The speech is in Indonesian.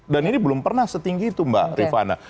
dan ini belum pernah setinggi itu mbak rifana